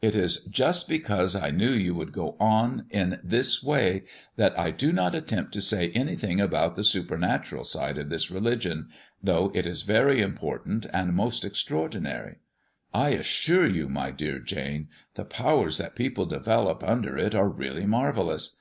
"It is just because I knew you would go on in this way that I do not attempt to say anything about the supernatural side of this religion, though it is very important and most extraordinary. I assure you, my dear Jane, the powers that people develop under it are really marvellous.